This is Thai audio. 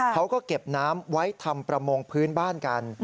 เขาก็เก็บน้ำไว้ทำประมงพื้นบ้านกัน